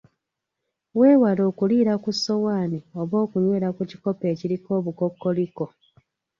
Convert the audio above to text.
Weewale okuliira ku ssowaani oba okunywera ku kikopo ekiriko obukokkoliko.